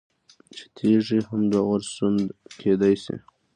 چې تيږي هم د اور سوند كېدى شي